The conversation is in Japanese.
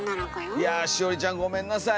いや栞ちゃんごめんなさい